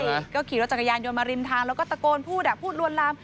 ก็ขี่รถจักรยานยนต์มาริมทางแล้วก็ตะโกนพูดอ่ะพูดลวนลาม